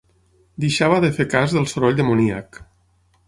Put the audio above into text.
Deixava de fer cas del soroll demoníac